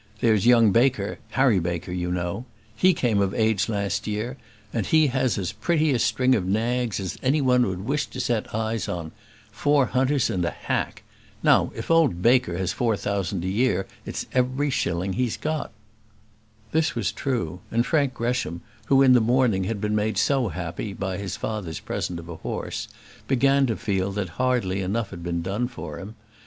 There's young Baker Harry Baker, you know he came of age last year, and he has as pretty a string of nags as any one would wish to set eyes on; four hunters and a hack. Now, if old Baker has four thousand a year it's every shilling he has got." This was true, and Frank Gresham, who in the morning had been made so happy by his father's present of a horse, began to feel that hardly enough had been done for him.